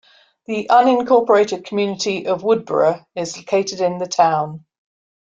The unincorporated community of Woodboro is located in the town.